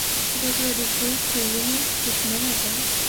جګړه د ښو ښوونو دښمنه ده